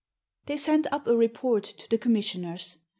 They sent up a report to the Commissioners.